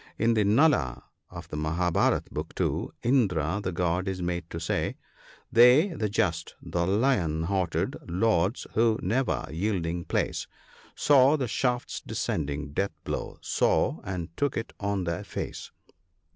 In the "Nala" of the Mahabharat (Book 2) Indra the god is made to say — "They, the just — the lion hearted, — Lords, who, never yielding place, Saw the shaft's descending death blow — saw, and took it on their face